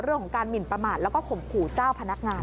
เรื่องของการหมินประมาทแล้วก็ข่มขู่เจ้าพนักงาน